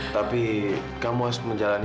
tapi kamu harus menjalani